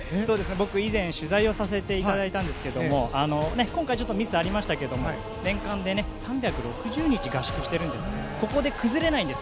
僕、以前、取材をさせていただいたんですけど今回、ちょっとミスはありましたけど年間で３６０日合宿してるのでここで崩れないんです